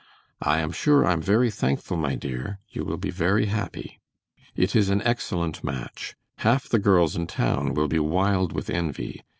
I am sure I'm very thankful, my dear, you will be very happy. It is an excellent match. Half the girls in town will be wild with envy.